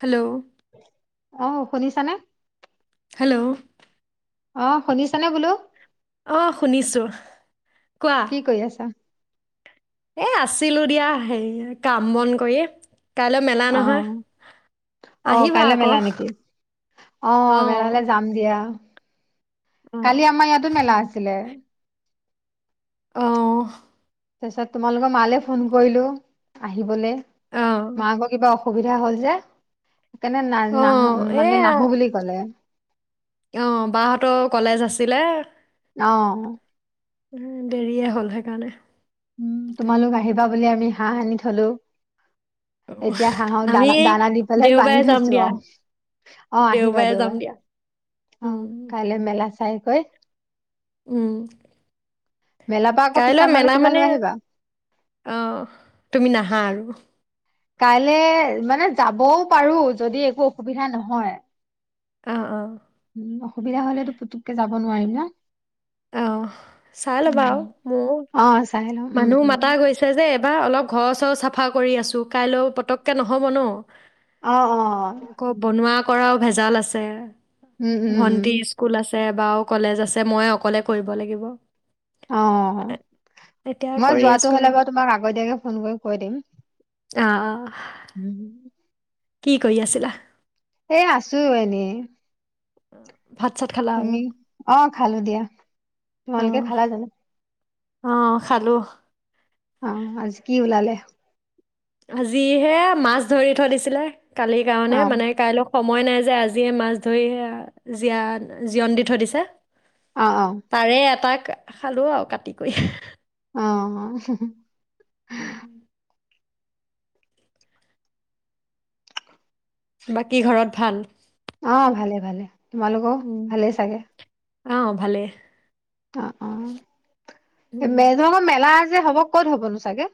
Hello. আহ শুনিছানে hello অঁ শুনিছা নে বোলো অ', শুনিছোঁ। কোৱা কি কৰি আছা এ, আছিলো দিয়া, হে কাম বন কৰিয়ে। অ', অ', আহিবা কাইলে আকৌ মেলা নেকি? অ', অঁ মেলালে যাম দিয়া। অঁ কালি আমাৰ ইয়াতো মেলা আছিলে। অহ। তাৰপিছত তোমালোকৰ মালে ফোন কৰিলো আহিবলৈ অঁ মা আকৌ কিবা অ অসুবিধা হ'ল যে কাৰনে ন নাহো অঁ এই মানে নাহো বুলি ক'লে অঁ বাহঁতৰ কলেজ আছিলে অহ দেৰিয়ে হ'ল সেইকাৰণে উম, তোমালোক আহিবা বুলি আমি হাঁহ আনি থলো। এতিয়া হাঁহক আমি দানা দানা দি পেলাই বানি দেওবাৰে যাম থৈছো দিয়া অঁ অঁ আহিবা যাম দেওবাৰে দিয়া অ উম কাইলে মেলা চাই কয় উম মেলাৰ পৰা আকৌ কাইলৈ পিছামালে মেলা কিবা মানে, লৈ আহিবা। আহ, তুমি নাহা আৰু। কাইলৈ মানে যাবও পাৰো, যদি একো অসুবিধা নহয়। অ', অ'। উ অসুবিধা হলেতো পুতুককে যাব নোৱাৰিম ন আহ, চাই ল'বা উম। আৰু মোৰ, অ', চাই লওঁ উম, মানুহ উম, মাতা গৈছে যে [unintelligible] অলপ ঘৰ চৰ চাফা কৰি আছোঁ, কাইলৈও পতককৈ নহ'ব ন। অ অ আকৌ বনোৱা কৰাও ভেজাল আছে। উম, উম, উম, ভণ্টিৰ স্কুল আছে। আছে বাও কলেজ আছে মই অকলে কৰিব লাগিব। অ', এতিয়া মই কৰি আছো যোৱাটো হ'লে আৰু বাৰু তোমাক আগতীয়াকে ফোন কৰি কৈ দিম। অ কি কৰি আছিলা? এ আছো এনেই। অম। তুমি অ', খালো দিয়া অ তোমালোকে খালা জানো? অ খালো আহ আজ কি ওলালে? আজিহে মাছ ধৰি থৈ দিছিলে কালিৰ অ', কাৰণে মানে কাইলৈ সময় নাই যে আজিয়ে মাছ ধৰি সেয়া জীয় জীয়ণ দি থৈ দিছে। অ', অ', পাৰে এপাক খালো আৰু কাটি কৰি। অ উম। বাকী ঘৰত ভাল অ ভালে ভালে তোমালোকো ভালেই চাগে। আহ ভালেই। অ অ মেলো মেলা আছে। যে হ'ব ক'ত হ'বনো ছাগে।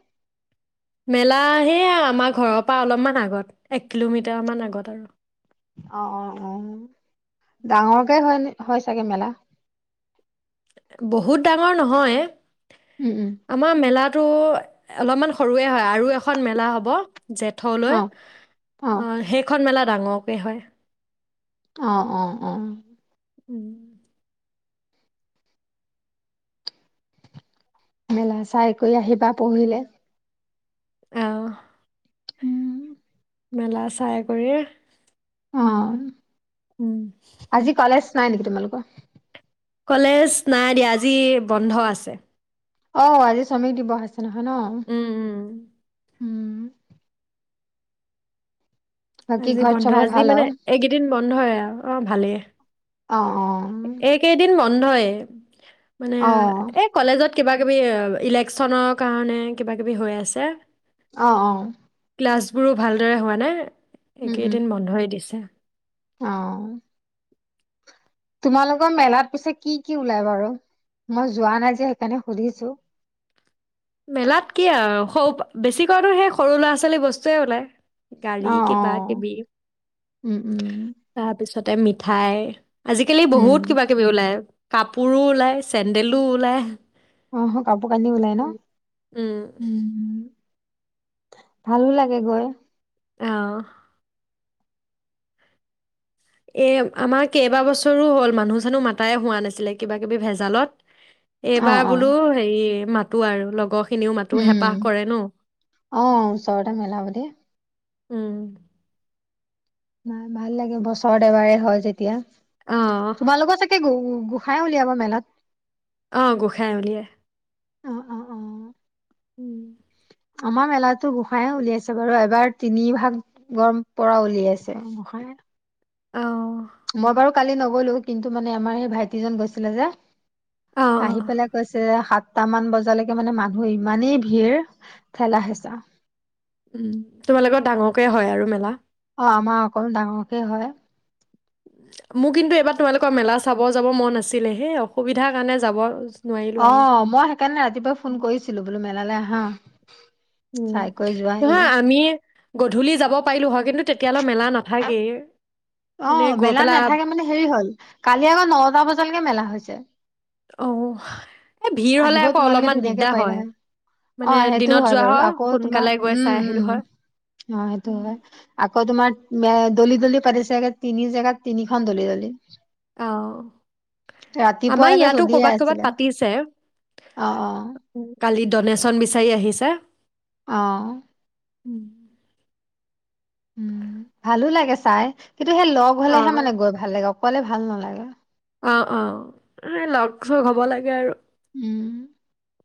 মেলা সেয় আমাৰ ঘৰৰ পৰা অলপমান আগত এক কিলোমিটাৰমান আগত আৰু অ অ অ ডাঙৰকে হয় হয় চাগে মেলা বহুত ডাঙৰ নহয়। উম উম আমাৰ মেলাটো অলপমান সৰুৱে হয় আৰু এখন মেলা হ'ব। অ জেঠলৈ অ', সেইখন মেলাত ডাঙৰকে হয় অ অ অ উম মেলা চাই কৰি আহিবা পঢ়িলে। অহ। উম মেলা চাই কৰি অ'। উম। আজি কলেজ নাই নেকি, তোমালোকৰ? কলেজ নাই দিয়া আজি বন্ধ আছে। অ', আজি শ্ৰমিক দিৱস আছে। সনহ ন'। উম, উম। উম! বাকী আজি ঘৰত বন্ধ চবে আজি ভাল মানে আৰু এইকেইদিন বন্ধ হয় আৰু অ', ভালেই। অ অ এইকেইদিন ম' বন্ধয়। মানে, অ এই কলেজত কিবা কিবি, ইলেকচনৰ কাৰণে, কিবা কিবি হৈ আছে। অ'! অ'! গ্লাছবোৰো ভালদৰে হোৱা নাই। এইকেইদিন বন্ধই দিছে। অঁ! তোমালোকৰ মেলাত, পিছে কি কি ওলাই বাৰু? মই যোৱা নাই যে, সেইকাৰণে সুধিছো। মেলাত কি আৰু সৰু বেছিকেনো সেই, সৰু ল'ৰা ছোৱালী বস্তুৱে ওলায়। গাড়ী অ অ কিবা কিবি, উম উম তাৰপিছত তাই মিঠাই আজিকালি উম বহুত কিবা কিবি ওলায়। কাপোৰো ওলায়, চেণ্ডেলো ওলায়। অ' হ কাপু কান নি লাই ন' উম উম, উম। ভালো লাগে গৈ। অহ। এ আমাৰ কেইবা বছৰো হ'ল মানুহ চানুহ মাতাই হোৱা নাছিলে কিবা কিবি ভেজালত অ এইবাৰ অ বোলো হেৰি মাত তো আৰু লগৰ খিনিও মাতো উম, হেঁপাহ কৰে ন অ', চট মেলাব দ উম! নাই ভাল লাগে বছৰত এবাৰে হয় অ যেতিয়া। তোমালোক ছাগে গু গোসাই উলিয়াবা মেলাত। আহ গোঁসাই উলিয়াই। অ' অ' অ'! উম! আমাৰ মেলাতো গোঁসাই উলিয়াইছে বাৰু এবাৰ তিনি ভাগৰ পৰা উলিয়াইছে গোঁসাই। অ মই বাৰু কালি নগলো। কিন্তু, মানে আমাৰ সেই ভাইটিজন গৈছিলে যে। অ অ আহি পেলাই কৈছে, হাত সটামান বজালৈকে মানে মানুহে ইমানেই ভিৰ ঠেলা হেচা উম, তোমালোকৰ ডাঙৰকে হয় আৰু মেলা। অ' আমাৰ অকল ডাঙৰকে হয়। মোৰ কিন্তু, এইবাৰ তোমালোকৰ মেলা চাব যাব মন আছিলে। সেই অসুবিধাৰ কাৰণে যাব নোৱাৰিলো অ আৰু মই সেইকাৰণে ৰাতিপুৱাই ফোন কৰিছিলো বোলো মেলালৈ আহা উম, চাই কৰি যোৱাহি নহয় আমি, গধূলি যাব পাৰিলো হয়। কিন্তু, তেতিয়ালৈ মেলা নাথাকেই। অ এনেই গৈ মেলা পেলাই নাথাকে মানে হেৰি হল কালি আকৌ নটা বজালৈকে মেলা হৈ হৈছে [inaudible] অ এই ভিৰ হলে আহিব, আকৌ তোমালোকে অলপমান ধুনীয়াকে দিগদাৰ পাৰিলা হয়, মানে অ' সেইটো দিনত হয় যোৱা বাৰু আকৌ, তোমাৰ সোনকালে গৈ চাই উম, আহিলো উম, হয় অ' সেইটো উম, হয়। আকৌ তোমাৰ দলি দলি পাতিছেগে তিনি জেগাত তিনিখন দলি দলি আহ আমাৰ ৰাতিপুৱালৈকে ইয়াতো চলিয়ে কৰবাত ক'বাত আছিলে পাতিছে অ অ উম, কালি ড'নেশ্যন বিচাৰি আহিছে অ' উম! উম, ভালো লাগে চাই। কিন্তু সেই লগ অ হ'লেহে মানে গৈ ভাল লাগে কলে ভাল নালাগে অ' অ' এ লগ চগ হব লাগে আৰু উম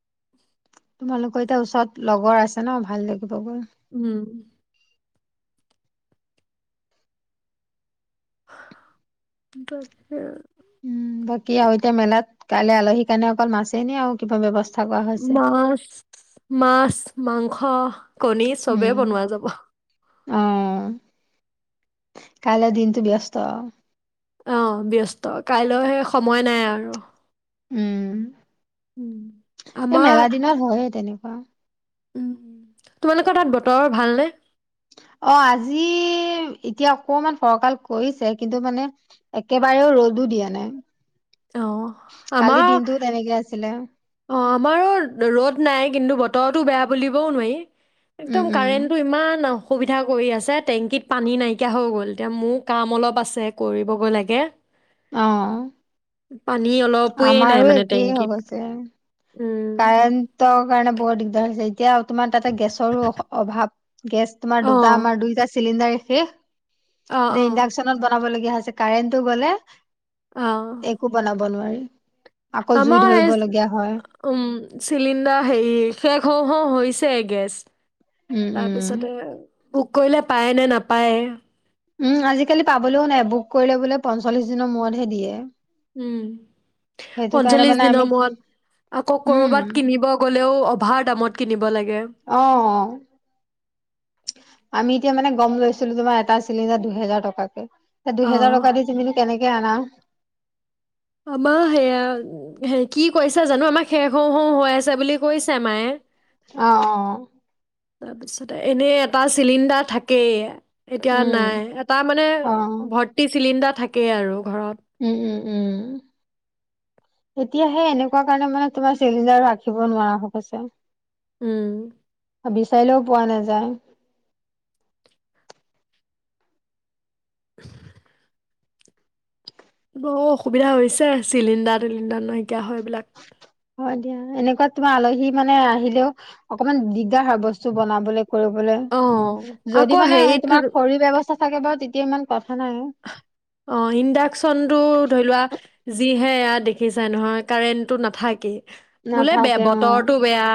তোমালোকৰ এতিয়া ওচৰত লগৰ আছে ন ভাল দে উম তাকে! উম, বাকি আৰুএ তিয়া মেলাত কাইলৈ আলহীৰ কাৰণে অকল মাছেই নে আৰু কিবা ব্যৱস্থা কৰা হৈছে? মাছ মাছ মাংস কণী চবে উম, বনোৱা যাব অ কলৈ দিনটোো ব্যস্ত অ ব্যস্ত কাইলৈ সেই সময় নাই আৰু উম উম, এই মেগা দিনৰ হয় তেনে বা! উ তোমালোকৰ তাত বতৰ ভালনেে অ' আজি এতিয়া অকমান ফৰকাল কৰিছে। কিন্তু, মানে একেবাৰেও ৰ'দো দিয়া অ নাই। কালি আমাৰ দিনটো তেনেকে আছিলে অ আমাৰো ৰ'দ নাই কিন্তু বতৰতো বেয়া বুলিবও নোৱাৰি উম, একদম উম, কাৰেণ্টটো ইমান আৰু সসুবিধা কৰি আছে টেংকিত পানী নাইকিয়া হৈ গ'ল এতিয়া মোৰ কাম অলপ আছে কৰিবগৈ লাগে। অহ। পানী অলপোৱে নাই আমাৰো মানে একেই টেংকিত হৈছে। উম কাৰ ত কাৰণে বহুত দিগদাৰ হৈছে। এতিয়া তোমাৰ তাতে গেছৰো অভাৱ। গেছ তোমাৰ অ দুটা আমাৰ দুইটা চিলিণ্ডাৰখে অ এতিয়া অ ইণ্ডাকচনত বনাব লাগে। হৈছে কাৰেণ্টটো গ'লে অ একো বনাব নোৱাৰি। [inaudible] আকৌ জুই আমাৰ সেই ধৰিব লগীয়া হয়। উম চিলিণ্ডাৰ হেৰি শেষ হওঁ হওঁ হৈছে গেছ। উম, উম, তাৰপিছতে বুক কৰিলে পায় নে নাপায়। উম, আজিকালি পাবলৈও নাই বুক কৰি ল'বলে পঞ্চলিশ দিনৰ মূৰত দিয়ে। হম। সেইটো কাৰণে পঞ্চল্লিশ মানে আমি দিনৰ মূৰত আকৌ উম, কৰবাত কিনিব গ'লেও অভাৰ দামত কিনিব লাগে। অ' অ' আমি এতিয়া মানে। গম লৈছিলো তোমাৰ এটা চিলিণ্ডাৰ দুহেজাৰ টকাকে। এ অ দুহেজাৰ টকা দি তুমিনো কেনেকে আনা? আমাৰ সেয়া কি কৈছা জানো আমাৰ শেষ হও হও হৈ আছে বুলি কৈছে মায়ে। অ' অ'। তাৰপিছতে এনেই এটা চিলিণ্ডাৰ থাকেই। এতিয়া উম, নাই এটা মানে অ', ভৰ্তি চিলিণ্ডাৰ থাকেই আৰু। ঘৰত উম, উম। উম এতিয়াহে এনেকুৱা কাৰণে মানে তোমাৰ চিলিন্ডাৰ ৰাখিব নোৱাৰা হৈছে। উম। বিচাৰিলেও পোৱা নাযায়। [unintelligible] অ অসুবিধা হৈছে চিলিণ্ডাৰ টিলিণ্ডাৰ নাইকিয়া হয় এইবিলাক। হয় দিয়া এনেকুৱা তোমাৰ আলহী মানে আহিলেও অকমান দিগদাৰ হয় বস্তু বনাবলৈ অ কৰিবলৈ যদি আকৌ মানে হেৰিত তোমাৰ খৰিৰ ব্যৱস্থা থাকে বাৰু তে এতিয়া ইমান কথা নাই। অ ইণ্ডাকচনতটো ধৰি লোৱা যিহে এাত দেখিছাই নহয় কাৰেণ্টটো নাথাকেই বোলে বেয়া নাথাকে অ বতৰৰতো বেয়া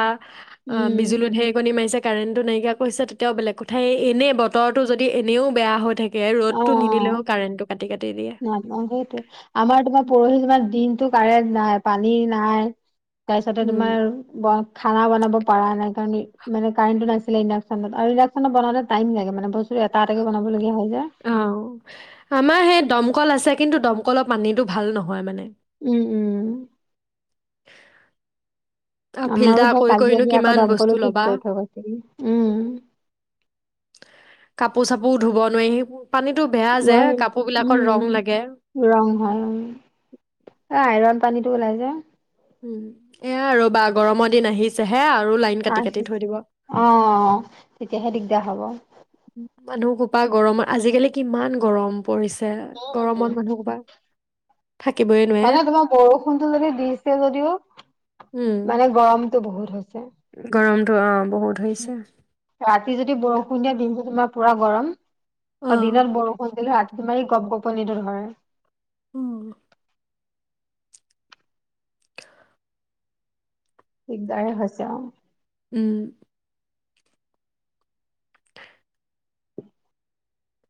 অ উম বিজুলো েৰিকণী মাৰিছে কাৰেণ্টটো নাইকিয়া কৰিছে তেতিয়াও বেলেগ কথাই এনেই বতৰটো যদি এনেও বেয়া হৈ থাকে। ে ৰদতটো নিনিলেও কাৰেণ্টটো কাটি কাটি দিয়ে ন' ন' সেইটো আমাৰ তোমাৰ পৰহি তোমাৰ দিনটো কাৰেণ্ট নাই, পানী নাই। তাৰপিছতে উম তোমাৰ খানা বনাব পৰা নাই কাৰণ মানোৰেণ্টটো নাছিলে ইণ্ডাকচনত আৰু ইণ্ডাকশচনত বনে টাইম লাগে মানে বস্তুটো এটা এটে বনাবলগীয়া হয়। যে অ', আমাৰ সে দমকল আছে কিন্তু দমকলৰ পানীটো ভাল নহয় মানে। উম, উম। আৰু আমাৰো ফিল্টাৰ সেই কৰি কালি কৰিনো আহি আকৌ কিমান বস্তু দমকলো ঠিক ল'বা কৰি থ গছিল উম কাপোৰ চাপোৰ ধুব নোৱাৰি সি ন লাগে উম ৰং উম হয় ৰ আইৰন পানীতটো ওলাই যায় উম, এয়া ৰ'বা গৰমৰ দিন আহিছে হে অ', অ', তেতিয়াহে দি তেতিয়া হ'ব মানুহ কোপা গৰমৰ আজিকালি কিমান গৰম। পৰিছে গৰমত মানুহ বা হয় নে তোমাৰ বৰষুণটো যদি দিছে যদিও মানে গৰম বহুত হৈছে। গৰম তো অ বহুত হৈছে। ৰাতি যদি বৰষুণিয়া দিনটো তোমাৰ পুৰা গৰম। অ', দিন বৰষুণটোহে তোমাৰ এই গপ গপনি টো ধৰে। কল দিকদাৰে হৈছে আৰু উম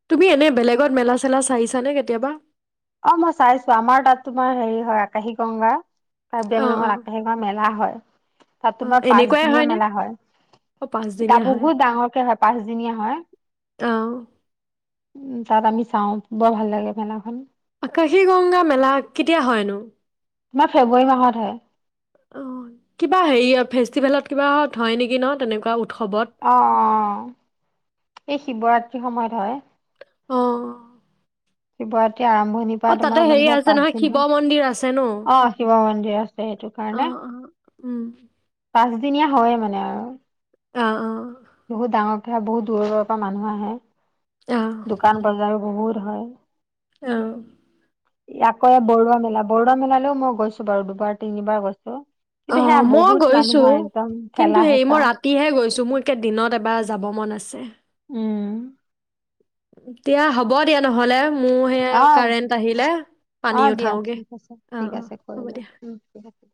তুমি এনে বেলেগত মেলা-চেলা চাইছানে কেতিয়াবা? অ' মই চাইছো আমাৰ তাত তোমাৰ হেৰি হয় আকাশী গংগা অ' কাৰ্বিংলঙৰ অ' আপেগোৱা মেলা হয় তাত অ' তোমাৰ এনেকুৱাই পাঁচদিনীয়া হয়নে? মেলা অ' হয় গা পাঁচদিনীয়া হয়। বহুত ডাঙৰকে হয় পাঁচদিনীয়া হয় অ'। উম তাত আমি চাওঁ বৰ ভাল লাগে মেলাখন আকাশী গংগা মেলা কেতিয়া হয়নো তোমাৰ ফেব্ৰুৱাৰী মাহত হয় অ কিবা হেৰি ফেষ্টিভেলত কিবা হয় নেকি ন তেনেকুৱা উৎ অ এই শিৱৰাত্ৰিৰ সময়ত হয় অ'। সেই বাৰ এতিয়া আৰম্ভণিৰ অ পৰা তাতে তোমাৰ হেৰি মানেহে আছে পাঁচ নহয় দিন শিৱ মন্দিৰ আছে ন হয় অ' শিৱ মন্দিৰ আছে সেইটো কাৰণে। আহ অ উম পাঁচদিনীয়া হয়ে মানে আৰু অ অ বহুত ডাঙৰ এতিয়া বহু দূৰ দূৰৰ পৰা মানুহ আহে। অ দোকান বজাৰ বহুত। হয় আহ আকৌ বৰুৱা মেলা বৰুৱা মেলালৈও মই গৈছো বাৰু দুবাৰ তিনিবাৰ গৈছো অ' মই গৈছো কিন্তু ঠেলা হে হেঁচা মই ৰাতিহে গৈছো মোৰ তাকে দিনত এবাৰ যাব মন আছে। উম, দিয়া হ'ব দিয়া নহলে মোৰ সেয়া অ', কাৰেণ্ট আহিলে পানী অ', দিয়া উঠাওগে ঠিক আছে অ ঠিক অ আছে হ'ব কৰিলোৱা দিয়া উম, ঠিক আছে।